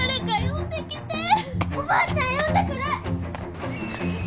おばあちゃん呼んでくる！